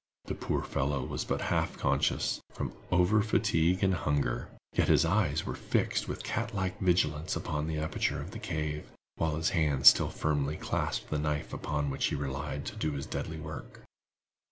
The poor fellow was but half conscious from over fatigue and hunger, yet his eyes were fixed with cat like vigilance upon the aperture of the cave, while his hand still firmly clasped the knife upon which he relied to do his deadly work.